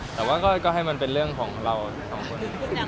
แต่ว่าก็ให้มันเป็นเรื่องของเราทั้งสองคน